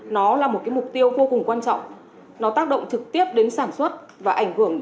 nó là một cái mục tiêu vô cùng quan trọng nó tác động trực tiếp đến sản xuất và ảnh hưởng